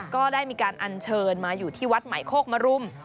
ก็ได้มีการอัญเชิญมาอยู่ที่วัดใหม่โคกมรุม